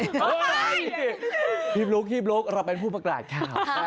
ไม่คลิปลุกคลิปลุกเราเป็นผู้ประกราชค่ะไป